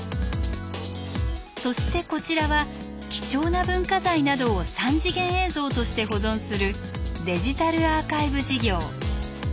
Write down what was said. そしてこちらは貴重な文化財などを３次元映像として保存するデジタルアーカイブ事業。